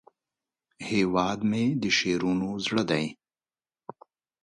هیواد مې د شعرونو زړه دی